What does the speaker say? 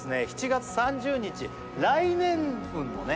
７月３０日来年分のね